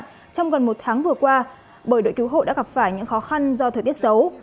trong gần một tháng vừa qua bởi đội cứu hộ đã gặp phải những khó khăn do thời tiết xấu